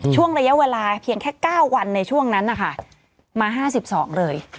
ช่วงระยะเวลาเพียงแค่๙วันในช่วงนั้นนะคะมา๕๒เลย